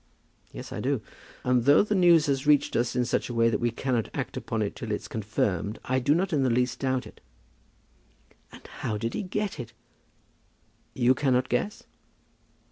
"Yes, I do. And though the news has reached us in such a way that we cannot act upon it till it's confirmed, I do not in the least doubt it." "And how did he get it?" "You cannot guess?"